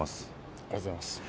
ありがとうございます。